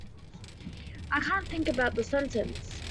I can't think about the sentence.